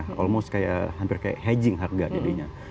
hampir kayak hedging harga jadinya